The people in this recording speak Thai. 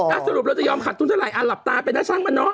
น่าสรุปเราจะยอมขัดธุรกิจเท่าไรลับตาไปนะซังอะน้อง